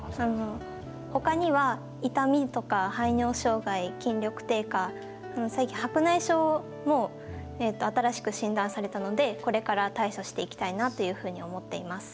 ほかには、痛みとか排尿障害、筋力低下、最近、白内障も新しく診断されたので、これから対処していきたいなというふうに思っています。